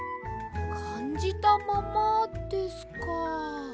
かんじたままですか。